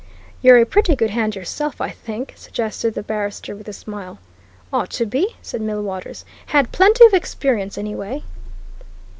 "You're a pretty good hand yourself, I think?" suggested the barrister, with a smile. "Ought to be," said Millwaters. "Had plenty of experience, anyway."